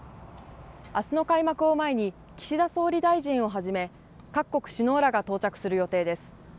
あすの開幕を前に岸田総理大臣をはじめ各国首脳らが到着する予定です。